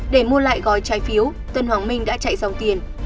để mua lại gói trái phiếu tân hoàng minh đã chạy dòng tiền